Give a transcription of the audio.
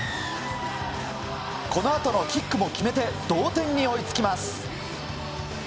このあとのキックも決めて、同点に追いつきます。